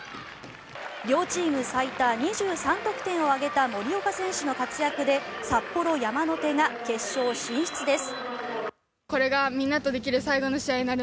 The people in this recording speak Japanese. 両チーム最多２３得点を挙げた森岡選手の活躍で札幌山の手が決勝進出です。